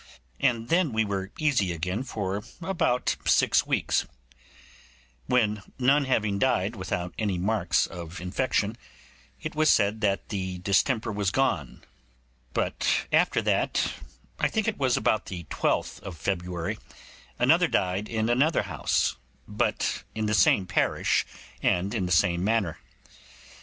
And then we were easy again for about six weeks, when none having died with any marks of infection, it was said the distemper was gone; but after that, I think it was about the 12th of February, another died in another house, but in the same parish and in the same manner.